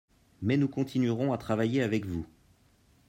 mais nous continuerons à travailler avec vous